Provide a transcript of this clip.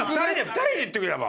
２人で行ってくれば？